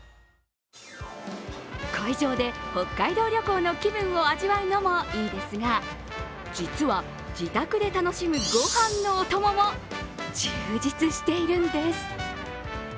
会場で北海道旅行の気分を味わうのもいいですが実は、自宅で楽しむごはんのお供も充実しているんです。